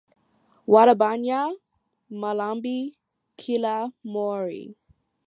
Wadabonya malombi kila Mori.